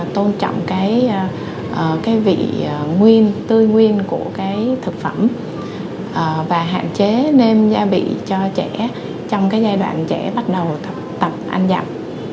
tôn trọng cái vị nguyên tươi nguyên của cái thực phẩm và hạn chế nêm gia vị cho trẻ trong cái giai đoạn trẻ bắt đầu tập ăn dặm